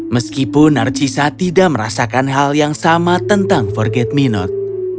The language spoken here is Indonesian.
meskipun narcisa tidak merasakan hal yang sama tentang forget me not